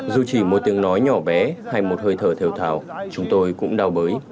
dù chỉ một tiếng nói nhỏ bé hay một hơi thở theo thảo chúng tôi cũng đau bới